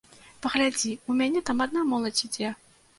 Паглядзі, у мяне там адна моладзь ідзе.